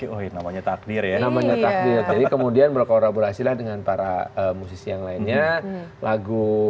oh namanya takdir ya namanya takdir jadi kemudian berkolaborasilah dengan para musisi yang lainnya lagu